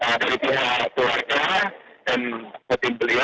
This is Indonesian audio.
nah sampai di rumah pagi beliau dinyatakan meninggal dunia